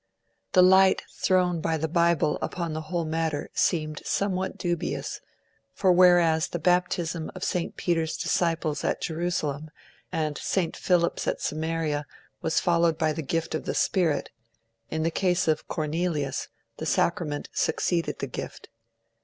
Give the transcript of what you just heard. The light thrown by the Bible upon the whole matter seemed somewhat dubious, for whereas the baptism of St. Peter's disciples at Jerusalem and St. Philip's at Samaria was followed by the gift of the Spirit, in the case of Cornelius the sacrament succeeded the gift.